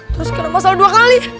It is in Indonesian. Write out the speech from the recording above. terus kira masalah dua kali